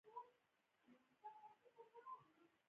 محمدُ رَّسول الله د ټول عالم لپاره رحمت دی